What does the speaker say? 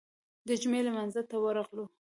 د جمعې لمانځه ته ورغلو.